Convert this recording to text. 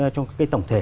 trong cái tổng thể